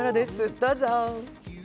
どうぞ。